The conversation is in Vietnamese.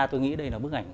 tôi nghĩ đây là bức ảnh